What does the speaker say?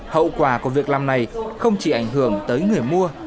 hậu quả của việc làm này không chỉ ảnh hưởng tới người mua